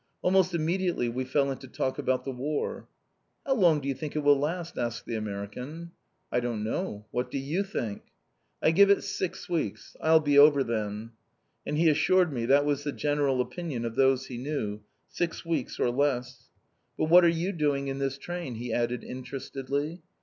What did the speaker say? Almost immediately we fell into talk about the War. "How long do you think it will last?" asked the American. "I don't know, what do you think?" "I give it six weeks. I'll be over then." And he assured me that was the general opinion of those he knew six weeks or less. "But what are you doing in this train?" he added interestedly.